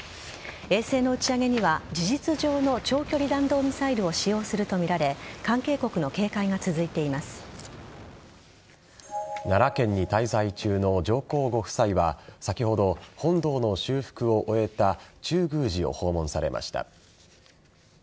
衛星の打ち上げには事実上の長距離弾道ミサイルを使用するとみられ奈良県に滞在中の上皇ご夫妻は先ほど、本堂の修復を終えた中宮寺を訪問されました。